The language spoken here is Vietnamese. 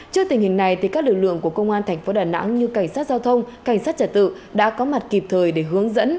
trước tình hình này các lực lượng của công an thành phố đà nẵng như cảnh sát giao thông cảnh sát trả tự đã có mặt kịp thời để hướng dẫn